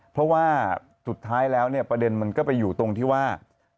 เพราะว่าสุดท้ายแล้วเนี่ยประเด็นมันก็ไปอยู่ตรงที่ว่า